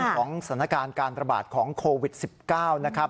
สถานการณ์การประบาดของโควิด๑๙นะครับ